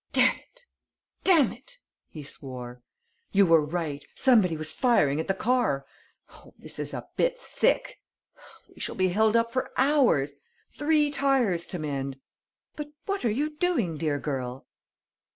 "Damn it! Damn it!" he swore. "You were right: somebody was firing at the car! Oh, this is a bit thick! We shall be held up for hours! Three tires to mend!... But what are you doing, dear girl?"